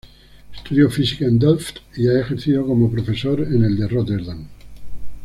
Estudió física en Delft y ha ejercido como profesor en el de Róterdam.